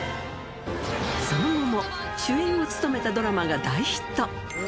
その後も主演を務めたドラマが大ヒット。